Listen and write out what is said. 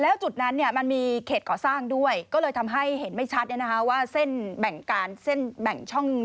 แล้วจุดนั้นมันมีเขตก่อสร้างด้วยก็เลยทำให้เห็นไม่ชัดว่าเส้นแบ่งการเส้นแบ่งช่อง